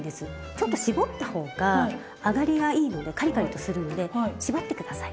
ちょっと絞った方が揚がりがいいのでカリカリとするので絞って下さい。